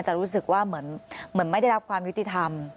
จะรู้สึกว่าเหมือนไม่ได้รับความยุติธรรม